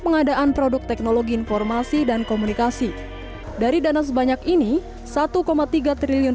pengadaan produk teknologi informasi dan komunikasi dari dana sebanyak ini satu tiga triliun